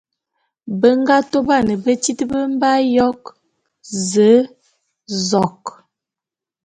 Be nga tôban betít be mbe ayok: Ze, zok...